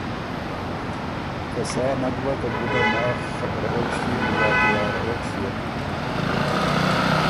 که سا نک بَۀ که ګُده ماخ خبرَوَک یا تیارَوَک ݭيېن،